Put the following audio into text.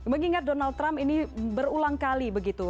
mengingat donald trump ini berulang kali begitu